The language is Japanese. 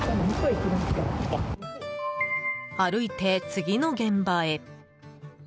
歩いて次の現場へ。